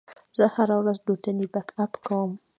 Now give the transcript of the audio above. زه هره ورځ دوتنې بک اپ کوم.